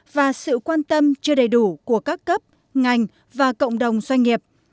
và sự quan tâm chưa đầy đủ của các cấp ngành và cộng đồng doanh nghiệp